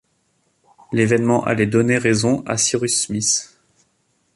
L’événement allait donner raison à Cyrus Smith